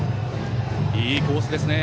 いいコースですね。